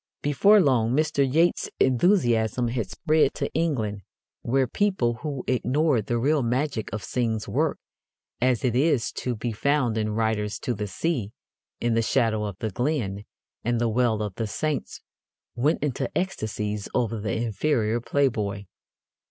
Before long Mr. Yeats's enthusiasm had spread to England, where people who ignored the real magic of Synge's work, as it is to be found in Riders to the Sea, In the Shadow of the Glen, and The Well of the Saints, went into ecstasies over the inferior Playboy.